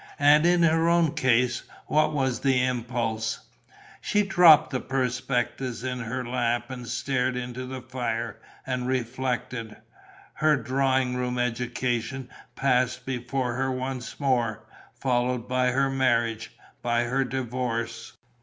And, in her own case, what was the impulse?... She dropped the prospectus in her lap and stared into the fire and reflected. Her drawing room education passed before her once more, followed by her marriage, by her divorce....